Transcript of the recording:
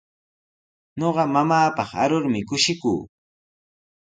Ñuqa mamaapaq arurmi kushikuu.